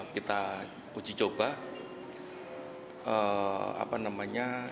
kita uji coba dengan pinker yang ada yang masih bagus